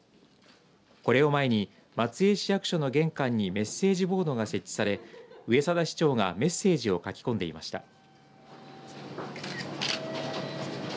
これを前に、松江市役所の玄関にメッセージボードが設置され上定市長がメッセージを書き込んでいました。